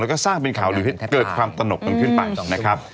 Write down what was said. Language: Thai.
และก็สร้างเป็นข่าวหรือให้เกิดความตระหนกขึ้นไป